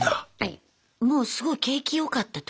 もうすごい景気良かった時？